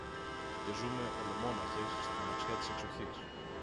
Και ζούμε, ολομόναχες, στη μοναξιά της εξοχής